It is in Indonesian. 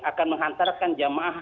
akan menghantarkan jamaah